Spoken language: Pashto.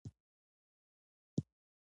د قانون نه تطبیق ستونزې جوړوي